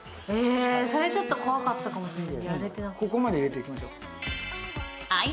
それちょっと怖かったかもしれない。